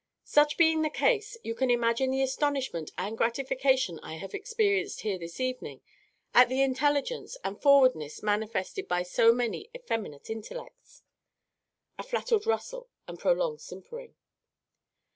_) "Such being the case, you can imagine the astonishment and gratification I have experienced here this evening at the intelligence and forwardness manifested by so many effeminate intellects. (_A flattered rustle and prolonged simpering.